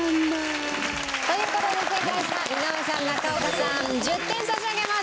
という事で正解した井上さん中岡さん１０点差し上げます。